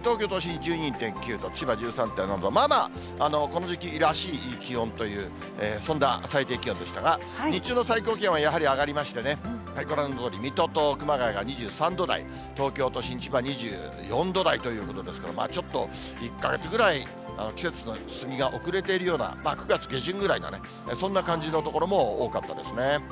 東京都心１２．９度、千葉１３．７度、まあまあこの時期らしい気温という、そんな最低気温でしたが、日中の最高気温はやはり上がりましてね、ご覧のとおり、水戸と熊谷が２３度台、東京都心、千葉２４度台ということですから、ちょっと１か月ぐらい季節の進みが遅れているような９月下旬ぐらいかな、そんな感じの所も多かったですね。